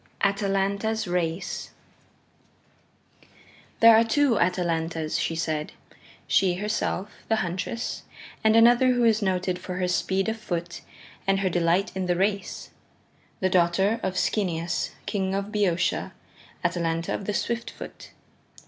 Atalanta's Race There are two Atalantas, she said; she herself, the Huntress, and another who is noted for her speed of foot and her delight in the race the daughter of Schoeneus, King of Boeotia, Atalanta of the Swift Foot.